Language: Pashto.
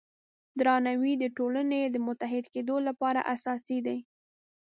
درناوی د ټولنې د متحد کیدو لپاره اساسي دی.